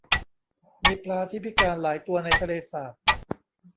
มีปลาที่พิการหลายตัวในทะเลสาบ